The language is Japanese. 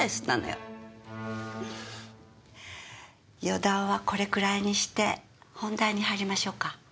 余談はこれくらいにして本題に入りましょうか。